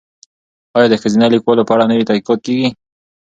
ایا د ښځینه لیکوالو په اړه نوي تحقیقات کیږي؟